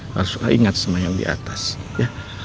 harus suka ingat sama yang di atas ya